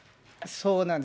そうなんです。